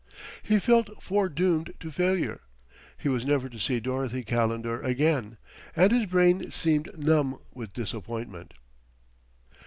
He felt foredoomed to failure; he was never to see Dorothy Calendar again; and his brain seemed numb with disappointment.